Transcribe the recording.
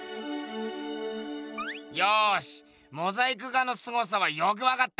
よしモザイク画のすごさはよく分かった。